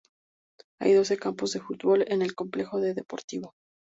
Hay doce campos de fútbol en el complejo de deportivo.